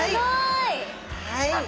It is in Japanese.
はい。